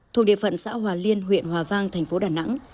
thuộc địa phận xã hòa liên huyện hòa vang thành phố đà nẵng